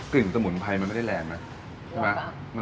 กลิ่นสมุนไพรมันไม่ได้แรงนะครับ